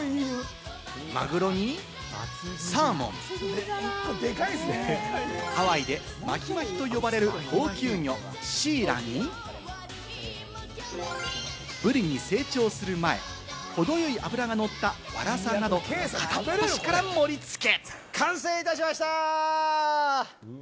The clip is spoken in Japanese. マグロにサーモン、ハワイでマヒマヒと呼ばれる高級魚・シイラに、ブリに成長する前、程よい脂が乗ったワラサなど、片っ端から盛り付け。